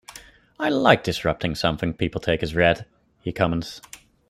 "I like disrupting something people take as read", he comments.